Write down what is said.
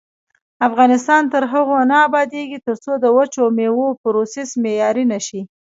افغانستان تر هغو نه ابادیږي، ترڅو د وچو میوو پروسس معیاري نشي.